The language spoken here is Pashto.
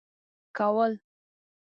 كول.